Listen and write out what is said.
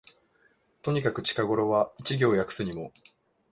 とにかく近頃は一行訳すにも、